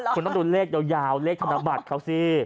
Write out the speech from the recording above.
คุณต้องดูเลขยาวเลขธนบัตรเขาสิ